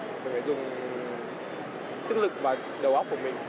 mình phải dùng sức lực và đầu óc của mình